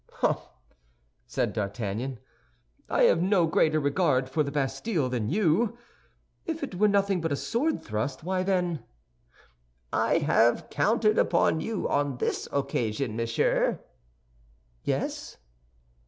"Hum!" said D'Artagnan. "I have no greater regard for the Bastille than you. If it were nothing but a sword thrust, why then—" "I have counted upon you on this occasion, monsieur." "Yes?"